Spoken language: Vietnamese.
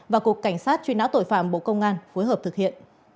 và cục cảnh sát truy nã tội phạm bộ công an phối hợp thực hiện